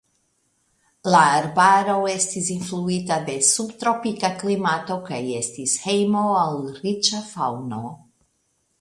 La arbaro estis influita de subtropika klimato kaj estis hejmo al riĉa faŭno.